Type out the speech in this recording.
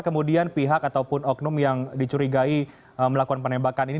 kemudian pihak ataupun oknum yang dicurigai melakukan penembakan ini